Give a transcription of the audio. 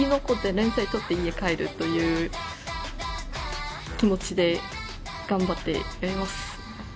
生き残って連載取って家買えるという気持ちで頑張ってやります。